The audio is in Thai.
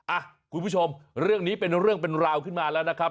อ่ะคุณผู้ชมเรื่องนี้เป็นเรื่องเป็นราวขึ้นมาแล้วนะครับ